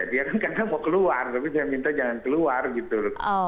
dia kan karena mau keluar tapi saya minta jangan keluar gitu loh